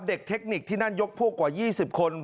เทคนิคที่นั่นยกพวกกว่า๒๐คน